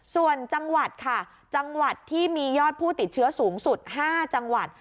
ส่วนจังหวัดค่ะจังหวัดที่มียอดผู้ติดเชื้อสูงสุด๕จังหวัด